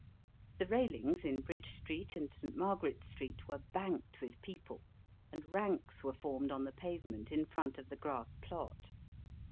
The railings in Bridge Street and St. Margaret's Street were banked with people, and ranks were formed on the pavement in front of the grass plot.